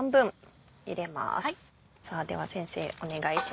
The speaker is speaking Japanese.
さぁでは先生お願いします。